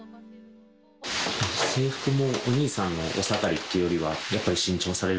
制服もお兄さんのお下がりっていうよりは、やっぱり新調される？